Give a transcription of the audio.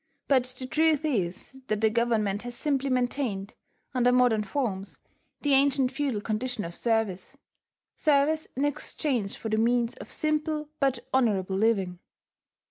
But the truth is that the Government has simply maintained, under modern forms, the ancient feudal condition of service, service in exchange for the means of simple but honourable living.